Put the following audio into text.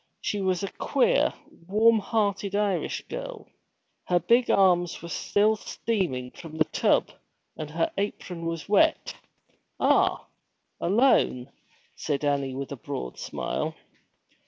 She was a queer, warm hearted Irish girl; her big arms were still steaming from the tub, and her apron was wet. 'Ahl alone?' said Annie with a broad smile.